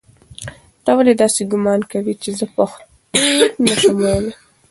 تا ولې داسې ګومان کاوه چې زه پښتو نه شم ویلی؟